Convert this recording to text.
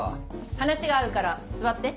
話があるから座って。